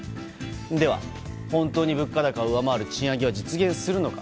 では本当に物価高を上回る賃上げは実現するのか。